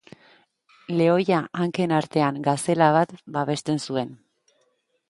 Lehoia hanken artean gazela bat babesten zuen.